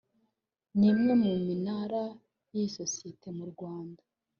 n’imwe mu minara y’iyi sosiyete mu Rwanda